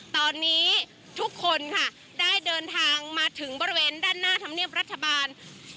ตอนนี้ทุกคนค่ะได้เดินทางมาถึงบริเวณด้านหน้าธรรมเนียบรัฐบาล